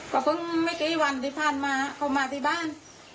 ก็เพิ่งไม่กี่วันที่ผ่านมาเขามาที่บ้าน